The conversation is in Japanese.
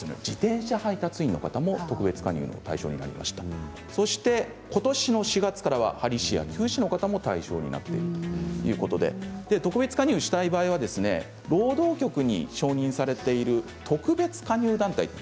自転車配達員の方も特別加入の対象になりましたそしてことしの４月からは、はり師、きゅう師の方も対象になっているということで特別加入したい場合は労働局に承認されている特別加入団体